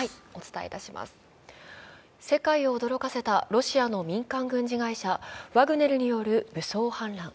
世界を驚かせたロシアの民間軍事会社、ワグネルによる武装反乱。